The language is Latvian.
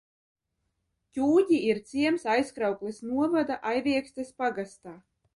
Ķūģi ir ciems Aizkraukles novada Aiviekstes pagastā.